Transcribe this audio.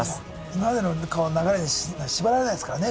今までの流れに縛られないですからね